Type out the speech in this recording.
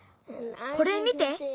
これ見て。